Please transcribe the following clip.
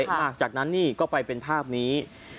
หลังจากนั้นนี่ก็ไปเป็นภาพนี้